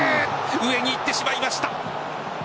上に行ってしまいました。